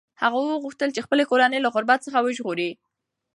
هغه غوښتل چې خپله کورنۍ له غربت څخه وژغوري.